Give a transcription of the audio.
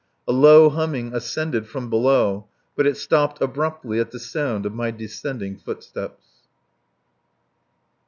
A low humming ascended from below, but it stopped abruptly at the sound of my descending footsteps.